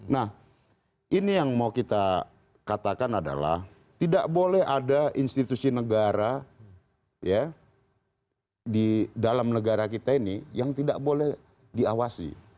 nah ini yang mau kita katakan adalah tidak boleh ada institusi negara di dalam negara kita ini yang tidak boleh diawasi